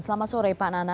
selamat sore pak nana